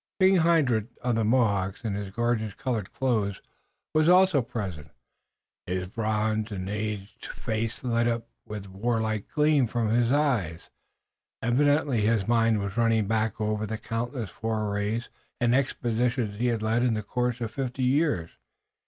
King Hendrik of the Mohawks, in his gorgeous colored clothes, was also present, his bronzed and aged face lighted up with the warlike gleam from his eyes. Evidently his mind was running back over the countless forays and expeditions he had led in the course of fifty years.